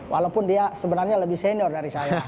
walaupun dia sebenarnya lebih senior dari saya